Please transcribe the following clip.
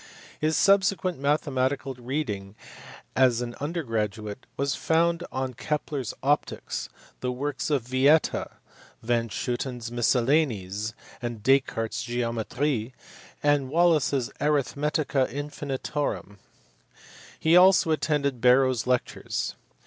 His subsequent mathematical reading as an undergraduate was founded on Kepler s Optics, the works of Yieta, van Schooten s Miscellanies, Descartes s Geometric, and Wallis s Arithmetica Infinitorum : he also attended Barrow s lectures.